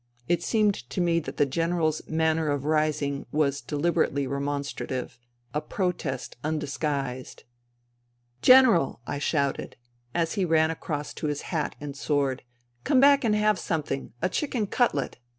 It seemed to me that the General's manner of rising was deliberately remonstrative, a protest undisguised. " General !" I shouted, as he ran across to his hat and sword. " Come back and have something. A chicken cutlet.